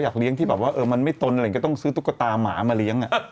อยากเลี้ยงที่มันไม่ต้นอะไรก็ต้องซื้อตุ๊กตาหมามาเลี้ยง